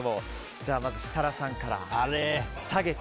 じゃあまず設楽さんから。